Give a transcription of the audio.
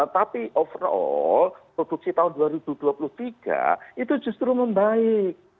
tapi overall produksi tahun dua ribu dua puluh tiga itu justru membaik